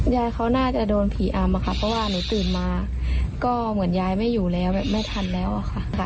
ยายเขาน่าจะโดนผีอำค่ะเพราะว่าหนูตื่นมาก็เหมือนยายไม่อยู่แล้วแบบไม่ทันแล้วอะค่ะ